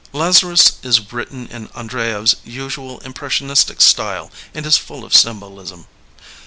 Lazarus is written in Andreyev's usual impressionistic style and is full of symbolism.